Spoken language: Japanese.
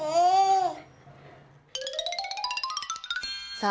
さあ